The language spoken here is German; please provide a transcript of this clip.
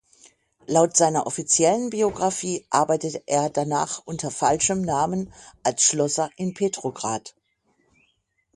Laut seiner offiziellen Biografie arbeitete er danach unter falschem Namen als Schlosser in Petrograd.